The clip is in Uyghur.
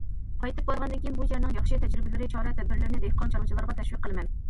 قايتىپ بارغاندىن كېيىن، بۇ يەرنىڭ ياخشى تەجرىبىلىرى، چارە- تەدبىرلىرىنى دېھقان، چارۋىچىلارغا تەشۋىق قىلىمەن.